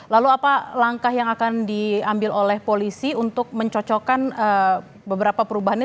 lalu apa langkah yang akan diambil oleh polisi untuk mencocokkan beberapa perubahan ini